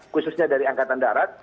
khususnya dari angkatan darat